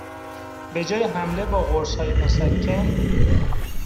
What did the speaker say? به جای حمله با قرصهای مُسَکّن